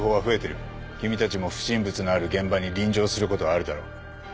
君たちも不審物のある現場に臨場することがあるだろう。